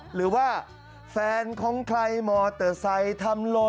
หรือว่าแฟนของใครมอเตอร์ไซค์ทำโล